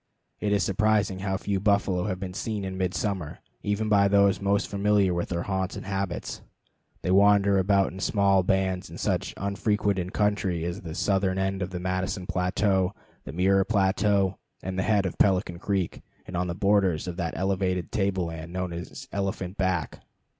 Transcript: It is surprising how few buffalo have been seen in midsummer, even by those most familiar with their haunts and habits. They wander about in small bands in such unfrequented country as the southern end of the Madison plateau, the Mirror plateau, and the head of Pelican Creek, and on the borders of that elevated table land known as Elephant Back.